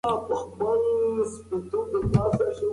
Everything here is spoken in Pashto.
آیا میاشت پوره شوه چې موږ خپل معاش واخلو؟